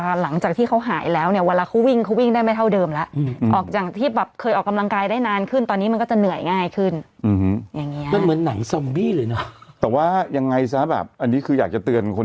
จริงอย่างพวกเราตรวจกันเนี่ยอ่ะถามจริงวงการบันเทิร์นกันเนี่ยพวกเราวงการบันเทิร์นกัน